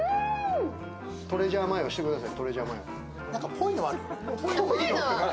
トレジャーマヨしてください。